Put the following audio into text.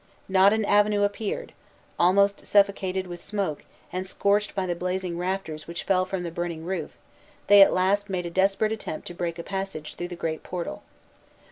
Not an avenue appeared; almost suffocated with smoke, and scorched by the blazing rafters which fell from the burning roof, they at last made a desperate attempt to break a passage through the great portal.